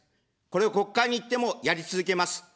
これを国会に行ってもやり続けます。